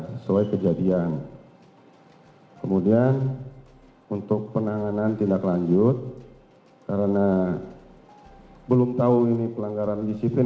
sesuai kejadian kemudian untuk penanganan tindak lanjut karena belum tahu ini pelanggaran disiplin